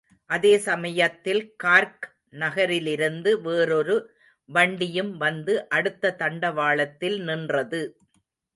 அதே சமயத்தில் கார்க் நகரிலிருந்து வேறோரு வண்டியும் வந்து அடுத்த தண்டவாளத்தில் நின்றது.